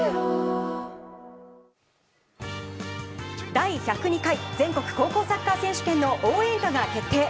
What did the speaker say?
第１０２回全国高校サッカー選手権の応援歌が決定。